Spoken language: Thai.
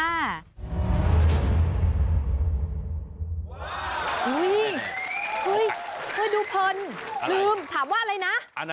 สวัสดีเฮ้ยดูพลลืมถามว่าอะไรนะ